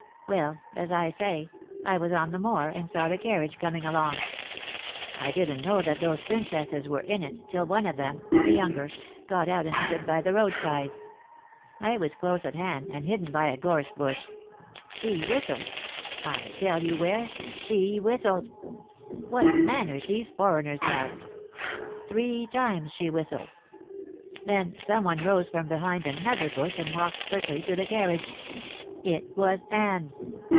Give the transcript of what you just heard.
Well, as I say, I was on the moor and saw the carriage coming along. I didn't know that those Princesses were in it till one of them the younger got out and stood by the roadside. I was close at hand, and hidden by a gorse bush. She whistled. I tell you, Ware, she whistled. What manners these foreigners have! Three times she whistled. Then some one rose from behind another bush and walked quickly to the carriage. It was Anne.